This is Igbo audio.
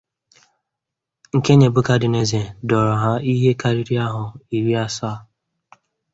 nke Nebuchadnezzar dọọrọ ha ihe karịrị ahọ iri asaa